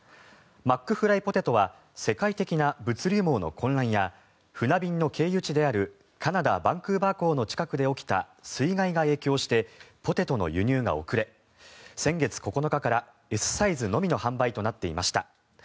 マックフライポテトは世界的な物流網の混乱や船便の経由地であるカナダ・バンクーバー港の近くで起きた水害が影響してポテトの輸入が遅れ先月９日からＳサイズのみの販売となっていました。